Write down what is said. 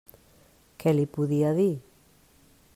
Què li podia dir?